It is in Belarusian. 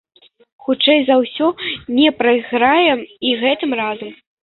Хутчэй за ўсё, не прайграе і гэтым разам.